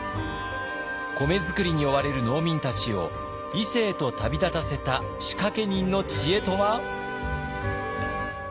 米作りに追われる農民たちを伊勢へと旅立たせた仕掛け人の知恵とは？